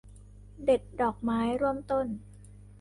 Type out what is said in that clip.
เด็ดดอกไม้ร่วมต้น